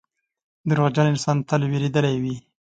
• دروغجن انسان تل وېرېدلی وي.